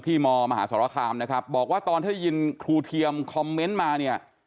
มมหาสรคามนะครับบอกว่าตอนได้ยินครูเทียมคอมเมนต์มาเนี่ย